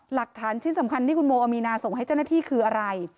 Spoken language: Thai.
หลักฐานชิ้นสำคัญที่คุณโมอามีนาส่งให้เจ้าหน้าที่คืออะไร